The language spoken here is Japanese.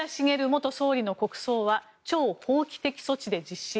元総理の国葬は超法規的措置で実施。